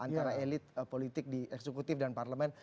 antara elit politik di eksekutif dan parlemen